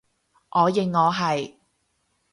我認我係